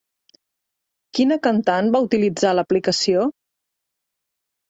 Quina cantant va utilitzar l'aplicació?